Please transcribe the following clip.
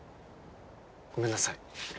ごめんなさい。